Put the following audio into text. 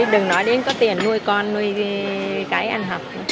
đừng nói đến có tiền nuôi con nuôi cái ăn học